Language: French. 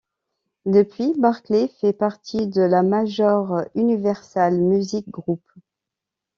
Depuis, Barclay fait partie de la major Universal Music Group.